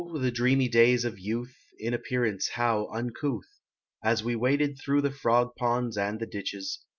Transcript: the dreamy days of youth, In appearance how uncouth, As we waded through the frog ponds and The ditches.